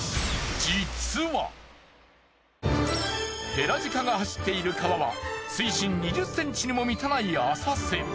ヘラジカが走っている川は水深２０ｃｍにも満たない浅瀬。